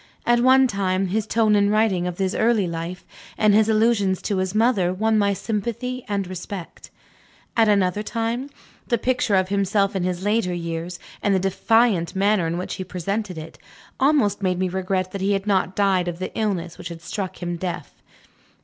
At one time, his tone in writing of his early life, and his allusions to his mother, won my sympathy and respect. At another time, the picture of himself in his later years, and the defiant manner in which he presented it, almost made me regret that he had not died of the illness which had struck him deaf.